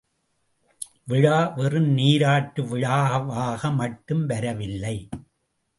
விழா வெறும் நீராட்டு விழாவாக மட்டும் வரவில்லை.